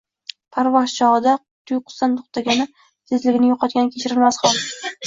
parvoz chog‘ida tuyqusdan to‘xtagani, tezligini yo‘qotgani kechirilmas hol.